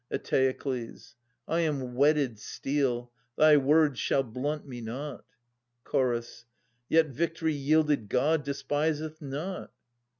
Eteokles. I am whetted steel : thy words shall blunt me not. Chorus. Yet victory yielded God despiseth not.